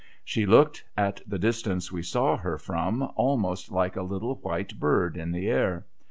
She looked, at the distance we saw her from, almost like a little white bird in the air.